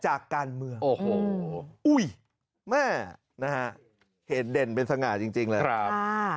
จากการเมืองโอ้โหอุ้ยแม่นะฮะเหตุเด่นเป็นสง่าจริงเลยครับ